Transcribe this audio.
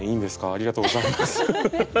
ありがとうございます。